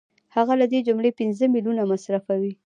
هغه له دې جملې پنځه میلیونه مصرفوي